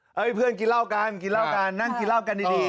เอาให้พี่เพื่อนกินเหล้ากันนั่งกินเหล้ากันดี